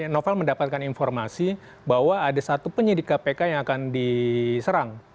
novel mendapatkan informasi bahwa ada satu penyidik kpk yang akan diserang